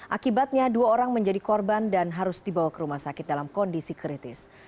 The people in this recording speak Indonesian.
akibatnya dua orang menjadi korban dan harus dibawa ke rumah sakit dalam kondisi kritis